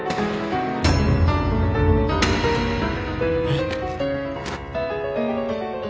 えっ。